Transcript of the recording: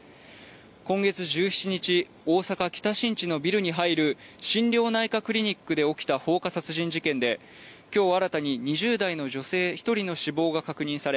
今月１７日大阪北新地のビルに入る心療内科クリニックで起きた放火殺人事件で今日新たに２０代の女性一人の死亡が確認され